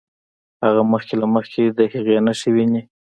هغه مخکې له مخکې د هغې نښې ويني.